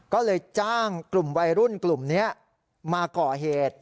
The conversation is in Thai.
ก็เลยจ้างกลุ่มวัยรุ่นกลุ่มนี้มาก่อเหตุ